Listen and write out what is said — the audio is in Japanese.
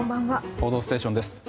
「報道ステーション」です。